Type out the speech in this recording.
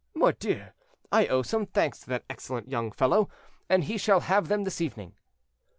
Mordieux! I owe some thanks to that excellent young fellow, and he shall have them this evening."